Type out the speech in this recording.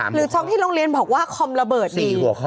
ช็อปที่โรงเรียนบอกว่าคอมระเบิดดี